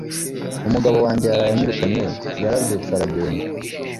Umugabo wanjye yaraye anyirukanye, yarabyutse aragenda